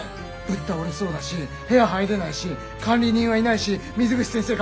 ぶっ倒れそうだし部屋入れないし管理人はいないし水口先生